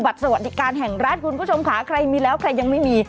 สวัสดีการแห่งรัฐคุณผู้ชมค่ะใครมีแล้วใครยังไม่มี